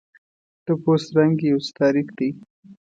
د پوست رنګ یې یو څه تاریک دی.